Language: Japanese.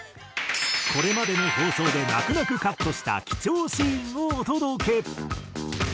これまでの放送で泣く泣くカットした貴重シーンをお届け。